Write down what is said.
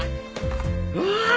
うわ！